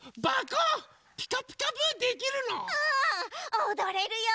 おどれるよ。